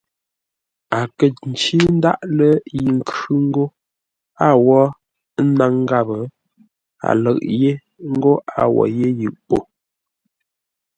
A kə̂ ncí ndáʼ lə́ yi nkhʉ̂ ńgó a wó ńnáŋ gháp, a lə̂ʼ yé ńgó a wo yé yʉʼ po.